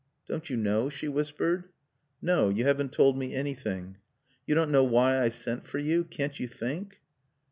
"Don't you know?" she whispered. "No. You haven't told me anything." "You don't know why I sent for you? Can't you think?"